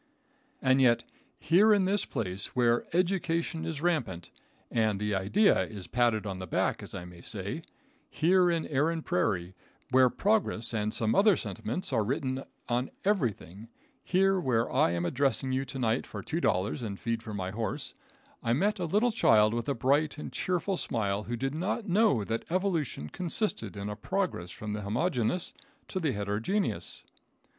And yet, here in this place, where education is rampant, and the idea is patted on the back, as I may say; here in Erin Prairie, where progress and some other sentiments are written on everything; here where I am addressing you to night for $2 and feed for my horse, I met a little child with a bright and cheerful smile, who did not know that evolution consisted in a progress from the homogeneous to the heterogeneous.